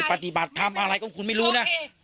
ปฏิบัติทำอะไรก็คุณไม่รู้นะ